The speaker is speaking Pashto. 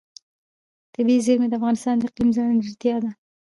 طبیعي زیرمې د افغانستان د اقلیم ځانګړتیا ده.